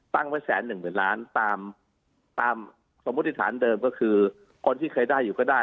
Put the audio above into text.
ตั้งไว้แสนหนึ่งหมื่นล้านตามสมมุติฐานเดิมก็คือคนที่เคยได้อยู่ก็ได้